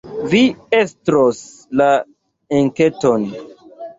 Vi estros la enketon.